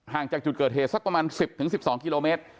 จากจุดเกิดเหตุสักประมาณ๑๐๑๒กิโลเมตร